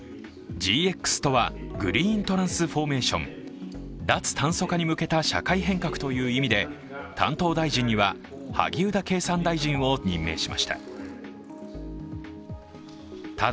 ＧＸとはグリートランスフォーメーション、脱炭素化に向けた社会変革という意味で担当大臣には萩生田経産大臣を任命しました。